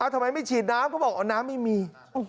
ทำไมไม่ฉีดน้ำก็บอกน้ำไม่มี